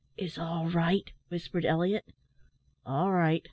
"Is all right?" whispered Elliot. "All right!"